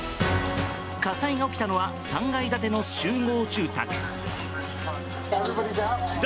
火災が起きたのは３階建ての集合住宅。